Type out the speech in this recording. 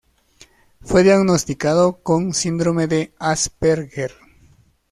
Fue diagnosticado con Síndrome de Asperger.